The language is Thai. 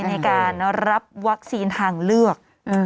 ในการรับวัคซีนทางเลือก